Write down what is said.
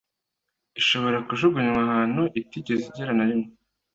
Ishobora kujugunywa ahantu itigeze igera na rimwe